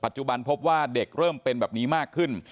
จุบันพบว่าเด็กเริ่มเป็นแบบนี้มากขึ้น